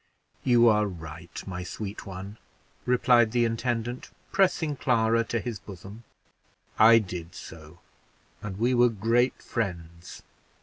"You are right, my sweet one," replied the intendant, pressing Clara to his bosom; "I did so, and we were great friends.